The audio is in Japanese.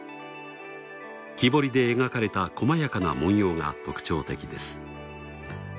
木彫りで描かれた細やかな文様が特徴的です。